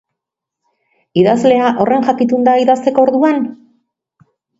Idazlea horren jakitun da idazteko orduan?